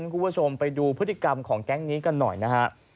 คุณผู้ชมไปดูพฤติกรรมของแก๊งนี้กันหน่อยนะฮะ